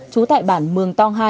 chú tải bản mường tong hai